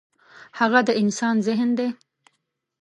هغه د انسان ذهن دی.